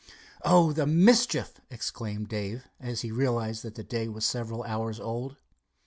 "Oh, the mischief!" exclaimed Dave, as he realized that the day was several hours old.